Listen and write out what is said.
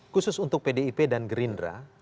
khusus untuk pdip dan gerindra